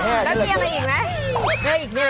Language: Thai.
แล้วเอาไปอะไรอีกหรือเอ้ยไง